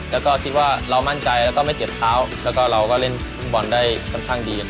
แล้วก็คิดว่าเรามั่นใจแล้วก็ไม่เจ็บเท้าแล้วก็เราก็เล่นฟุตบอลได้ค่อนข้างดี